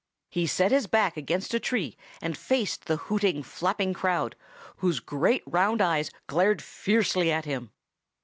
He set his back against a tree, and faced the hooting, flapping crowd, whose great round eyes glared fiercely at him.